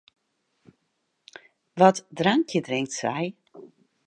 Wat drankje drinkt sy?